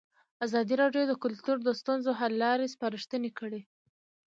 ازادي راډیو د کلتور د ستونزو حل لارې سپارښتنې کړي.